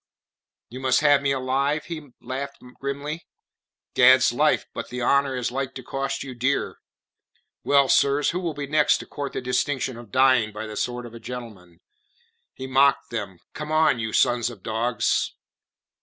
"You must have me alive?" he laughed grimly. "Gadslife, but the honour is like to cost you dear. Well, sirs? Who will be next to court the distinction of dying by the sword of a gentleman?" he mocked them. "Come on, you sons of dogs!"